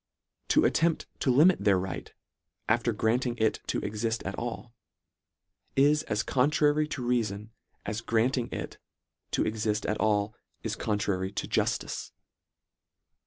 To attempt to limit their right, after grant ing it to exift at all, is as contrary to reafon, as granting it to exift at all is contrary to juftice.